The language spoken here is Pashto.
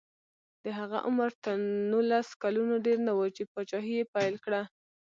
د هغه عمر تر نولس کلونو ډېر نه و چې پاچاهي یې پیل کړه.